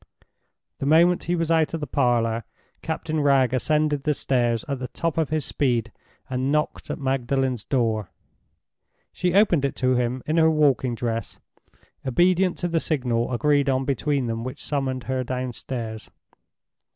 The moment he was out of the parlor Captain Wragge ascended the stairs at the top of his speed and knocked at Magdalen's door. She opened it to him in her walking dress, obedient to the signal agreed on between them which summoned her downstairs.